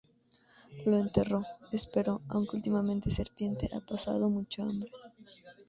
Lo enterró, espero; aunque últimamente Serpiente ha pasado mucha hambre.